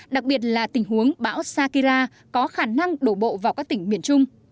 đặc biệt là tình huống bão sakira có khả năng đổ bộ vào các tỉnh miền trung